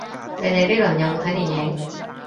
你哋呢輪有冇睇電影